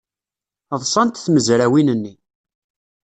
Ḍṣant tmezrawin-nni.